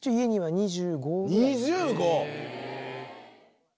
２５？